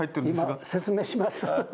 今説明します。